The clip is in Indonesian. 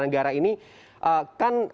negara ini kan